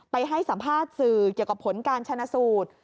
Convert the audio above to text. ให้สัมภาษณ์สื่อเกี่ยวกับผลการชนะสูตร